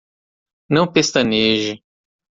Não pestaneje